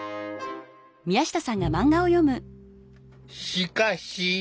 しかし。